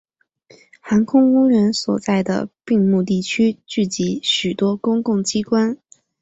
航空公园所在的并木地区聚集许多公共机关。